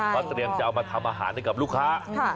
เขาเตรียมจะเอามาทำอาหารให้กับลูกค้า